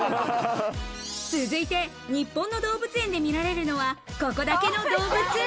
続いて、日本の動物園で見られるのは、ここだけの動物。